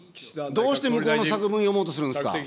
どうして向こうの作文、読もうとするんですか。